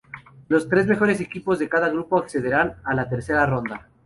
Los tres mejores equipos de cada grupo accederán a la tercera ronda.